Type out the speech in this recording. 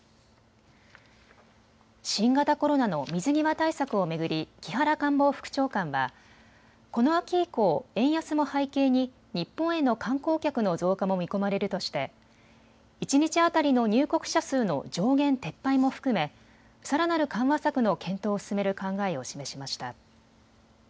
新型コロナの水際対策を巡り木原官房副長官はこの秋以降、円安も背景に日本への観光客の増加も見込まれるとして一日当たりの入国者数の上限撤廃も含めさらなる緩和策の検討を進める考えを示しました。